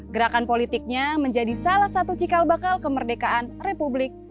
gerakan politiknya menjadi salah satu cikal bakal kemerdekaan republik